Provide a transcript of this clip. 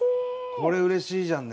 これうれしいじゃんね！